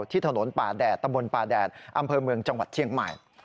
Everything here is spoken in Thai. ที่ถนนป่าแดดตะบนป่าแดดอำเภอเมืองจังหวัดเชียงใหม่